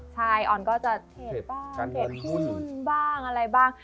ใช่ออนก็จะเทรดบ้างเทรดหุ้นบ้างอะไรบ้าง